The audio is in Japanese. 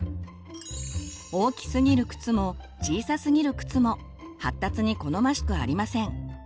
大きすぎる靴も小さすぎる靴も発達に好ましくありません。